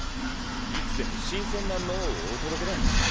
いつでも新鮮な脳をお届けだ。